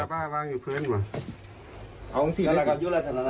ยาบ่างอยู่เพิ่มก่อน